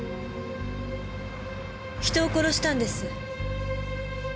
人を殺したんです。